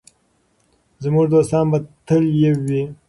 زموږ دوستان به تل یو وي.